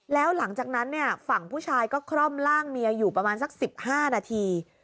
แล้วหลังจากนั้นฝั่งผู้ชายก็คร่อมร่างเมียอยู่ประมาณสัก๑๕นาที